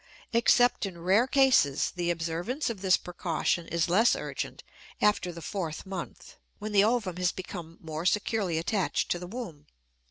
Except in rare cases the observance of this precaution is less urgent after the fourth month, when the ovum has become more securely attached to the womb.